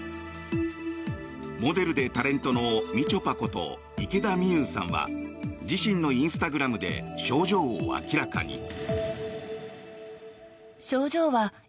モデルでタレントのみちょぱこと池田美優さんは自身のインスタグラムで症状を明らかに。